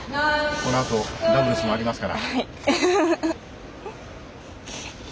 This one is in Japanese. このあとダブルスもありますから。